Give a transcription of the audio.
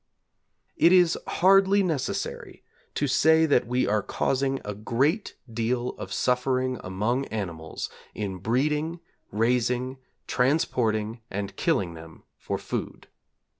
It is hardly necessary to say that we are causing a great deal of suffering among animals in breeding, raising, transporting, and killing them for food.